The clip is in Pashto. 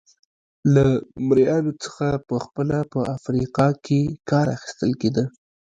له مریانو څخه په خپله په افریقا کې کار اخیستل کېده.